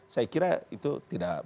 saya kira itu tidak